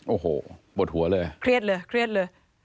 โอ้โหปวดหัวเลยเครียดเลยเครียดเลย